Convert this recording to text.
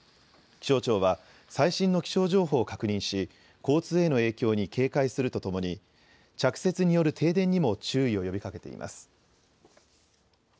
気象庁は最新の気象情報を確認し交通への影響に警戒するとともに着雪による停電にも注意を呼びかけています。